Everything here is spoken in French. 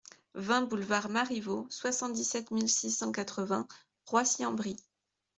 vingt boulevard Marivaux, soixante-dix-sept mille six cent quatre-vingts Roissy-en-Brie